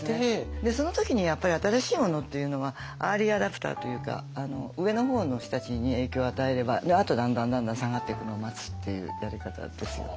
でその時にやっぱり新しいものっていうのはアーリーアダプターというか上の方の人たちに影響を与えればあとだんだんだんだん下がっていくのを待つっていうやり方ですよね。